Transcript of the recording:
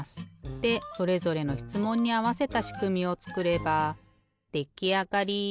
でそれぞれのしつもんにあわせたしくみをつくればできあがり！